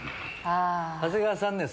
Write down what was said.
長谷川さんね